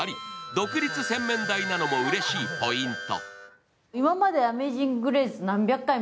独立洗面台なのもうれしいポイント。